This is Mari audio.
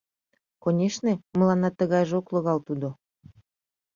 Конешне, мыланна тыгайже ок логал тудо.